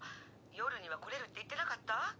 夜には来れるって言ってなかった？